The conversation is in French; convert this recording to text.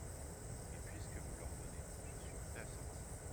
Mais puisque vous l'ordonnez, je suis prêt à sortir.